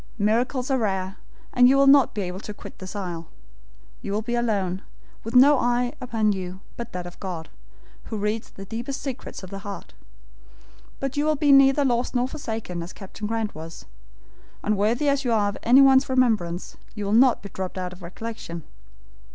Miracles are rare, and you will not be able to quit this isle. You will be alone, with no eye upon you but that of God, who reads the deepest secrets of the heart; but you will be neither lost nor forsaken, as Captain Grant was. Unworthy as you are of anyone's remembrance, you will not be dropped out of recollection.